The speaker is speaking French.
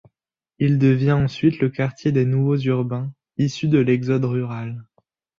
Il devient ensuite le quartier des nouveaux urbains, issus de l'exode rural.